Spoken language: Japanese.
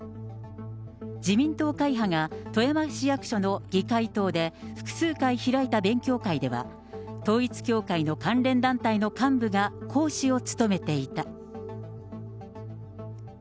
自民党会派が、富山市役所の議会とうで、複数回開いた勉強会では、統一教会の関連団体の幹部が講師を務めていた。